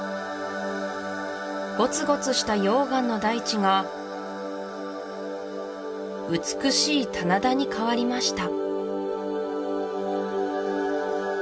ゴツゴツした溶岩の大地が美しい棚田に変わりました